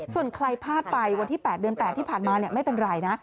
ส่วนใครพลาดไปวันที่๘เดือน๘ที่ผ่านมาไม่เป็นไรนะ